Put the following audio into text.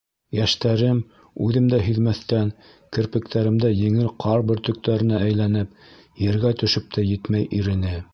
Йәштәрем, үҙем дә һиҙмәҫтән, керпектәремдә еңел ҡар бөртөктәренә әйләнеп Ергә төшөп тә етмәй ирене.